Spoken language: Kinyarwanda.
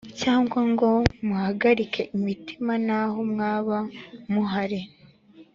cyangwa ngo muhagarike imitima naho mwaba muhari